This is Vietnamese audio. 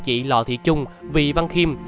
chị lò thị trung vị văn khiêm